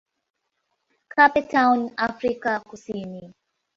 Cape Town, Afrika Kusini.